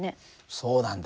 そうなんだ。